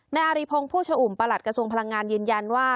อาริพงศ์ผู้ชอุ่มประหลัดกระทรวงพลังงานยืนยันว่า